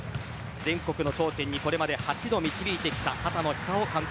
全国の頂点にこれまで８度導いてきた畑野久雄監督